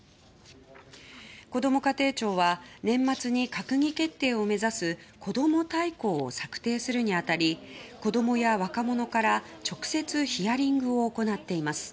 こども家庭庁は年末に閣議決定を目指すこども大綱を策定するに当たり子供や若者から直接ヒアリングを行っています。